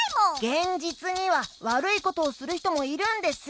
げんじつにはわるいことをするひともいるんです！